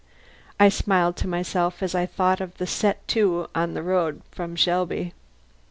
I smiled to myself as I thought of the set to on the road from Shelby.